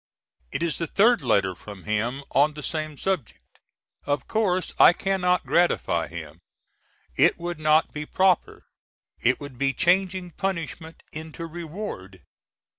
It is the third letter from him on the same subject. Of course I cannot gratify him. It would not be proper. It would be changing punishment into reward.